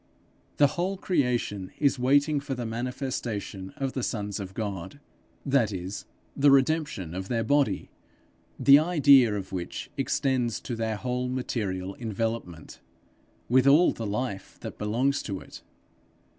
The whole creation is waiting for the manifestation of the sons of God that is, the redemption of their body, the idea of which extends to their whole material envelopment, with all the life that belongs to it.